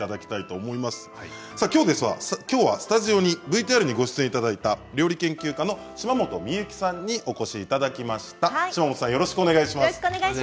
きょうはスタジオにＶＴＲにご出演いただいた料理研究家の島本美由紀さんにお越しいただきました。